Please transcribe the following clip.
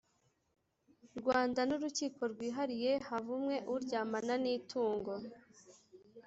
Rwanda n urukiko rwihariye havumwe uryamana n itungo